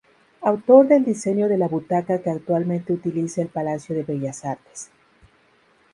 Autor del diseño de la butaca que actualmente utiliza el Palacio de Bellas Artes.